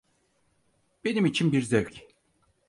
Benim için bir zevk.